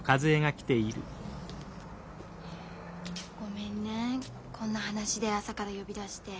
ごめんねこんな話で朝から呼び出して。